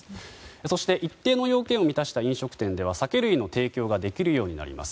そして、一定の要件を満たした飲食店では酒類の提供ができるようになります。